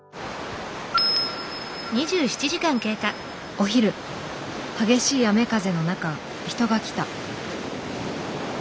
お昼激しい雨風の中人が来た。